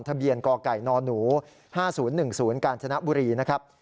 ทะเบียนกไก่นหนู๕๐๑๐กาญจนบุรีนะครับ